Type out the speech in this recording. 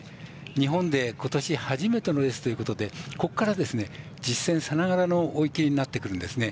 日本で今年初めてのレースということで実戦さながらの追い切りになってくるんですね。